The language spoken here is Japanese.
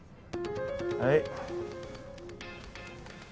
はい。